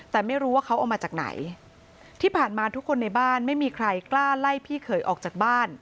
แต่ไม่รู้ว่าเขาเอามาจากไหนที่ผ่านมาทุกคนในบ้านไม่มีใครกล้าไล่พี่เขยออกจากบ้าน